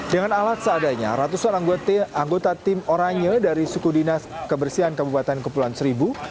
dengan alat seadanya ratusan anggota tim oranye dari suku dinas kebersihan kabupaten kepulauan seribu